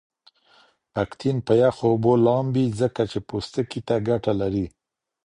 پکتین په یخو اوبو لامبې ځکه چې پوستکې ته ګټه لری.